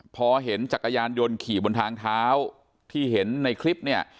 พอเห็นจักรยานยนต์ขี่บนทางเท้าที่เห็นในคลิปเนี่ย